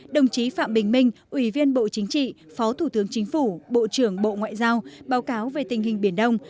đồng chí phạm bình minh ủy viên bộ chính trị phó thủ tướng chính phủ bộ trưởng bộ ngoại giao báo cáo về tình hình biển đông